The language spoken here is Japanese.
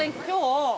今日。